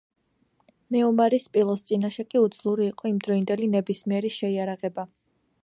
მეომარი სპილოს წინაშე კი უძლური იყო იმდროინდელი ნებისმიერი შეიარაღება.